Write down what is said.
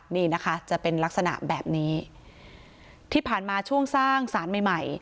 นี่นะคะจะเป็นลักษณะแบบนี้ที่ผ่านมาช่วงสร้างสารใหม่ใหม่